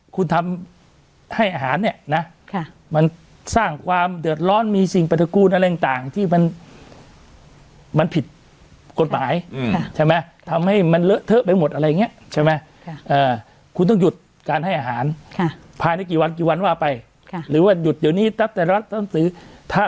กี่วันว่าไปค่ะหรือว่าหยุดเดี๋ยวนี้รับแต่รับต้องสือถ้า